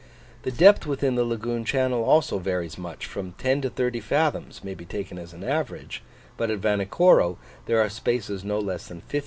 The depth within the lagoon channel also varies much; from 10 to 30 fathoms may be taken as an average; but at Vanikoro there are spaces no less than 56 fathoms or 363 feet deep.